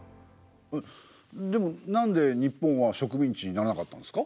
でもなんで日本は植民地にならなかったんですか？